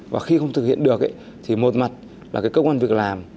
và khi không thực hiện được thì một mặt là cái cơ quan việc làm